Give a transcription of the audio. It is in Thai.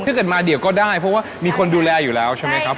ถ้าเกิดมาเดี๋ยวก็ได้เพราะว่ามีคนดูแลอยู่แล้วใช่ไหมครับ